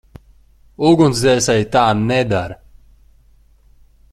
Ugunsdzēsēji tā nedara.